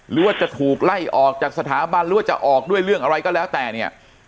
หรือว่าจะถูกไล่ออกจากสถาบันหรือว่าจะออกด้วยเรื่องอะไรก็แล้วแต่เนี่ย